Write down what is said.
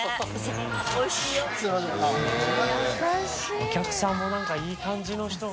お客さんも何かいい感じの人が。